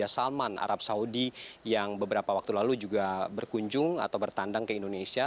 sebanyak dua puluh empat tki